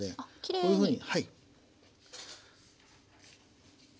こういうふうに。